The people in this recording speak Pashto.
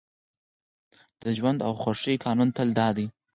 د ژوند او خوښۍ قانون تل دا دی